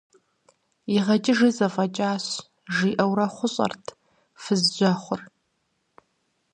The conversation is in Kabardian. ИгъэкӀыжи зэфӀэкӀащ, – жиӀэурэ хъущӀэрт фыз жьэхъур.